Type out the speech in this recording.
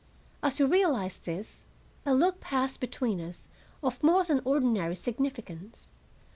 As we realized this, a look passed between us of more than ordinary significance.